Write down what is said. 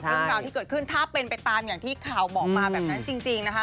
เรื่องราวที่เกิดขึ้นถ้าเป็นไปตามอย่างที่ข่าวบอกมาแบบนั้นจริงนะคะ